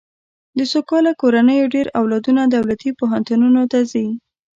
د سوکاله کورنیو ډېر اولادونه دولتي پوهنتونونو ته ځي.